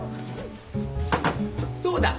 そうだ。